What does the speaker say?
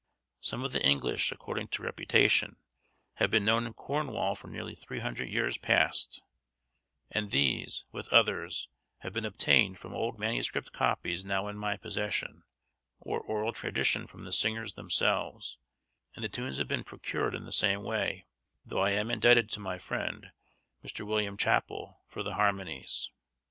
Some of the English, according to reputation, have been known in Cornwall for nearly three hundred years past, and these, with others, have been obtained from old manuscript copies now in my possession, or oral tradition from the singers themselves, and the tunes have been procured in the same way, though I am indebted to my friend, Mr. Wm. Chappell, for the harmonies.